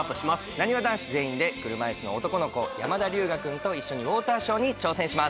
なにわ男子全員で車いすの男の子山田龍芽君と一緒にウォーターショーに挑戦します。